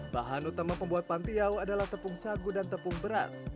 bahan utama pembuat pantiau adalah tepung sagu dan tepung beras